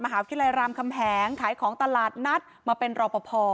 วิทยารามคำแหงขายของตลาดนัดมาเป็นรอปภ